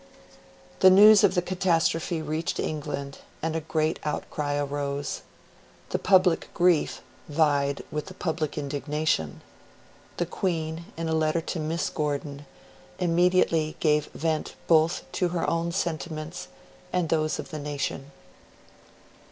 The news of the catastrophe reached England, and a great outcry arose. The public grief vied with the public indignation. The Queen, in a letter to Miss Gordon, immediately gave vent both to her own sentiments and those of the nation.